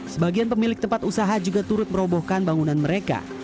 sebagian pemilik tempat usaha juga turut merobohkan bangunan mereka